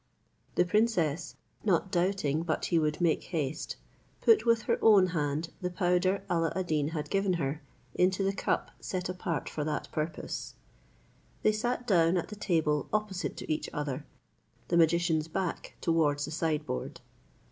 The princess, not doubting but he would make haste, put with her own hand the powder Alla ad Deen had given her into the cup set apart for that purpose. They sat down at the table opposite to each other, the magician's back towards the sideboard.